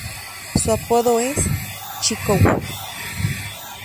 Su apodo es "Chico Guapo".